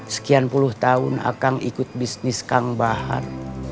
sekian puluh tahun akang ikut bisnis kang bahar